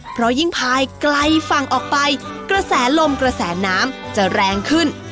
เพราะยิ่งพายไกลฝั่งออกไปกระแสลมกระแสน้ำจะแรงขึ้น